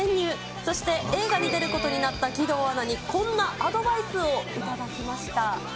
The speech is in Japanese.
そして、映画に出ることになった義堂アナに、こんなアドバイスを頂きました。